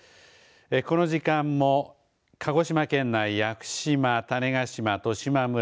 この時間も鹿児島県内屋久島、種子島、十島村